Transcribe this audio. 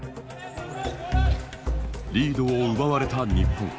リードを奪われた日本。